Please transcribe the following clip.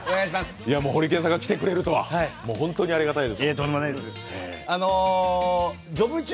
ホリケンさんが来てくれるとは、本当にありがたいです。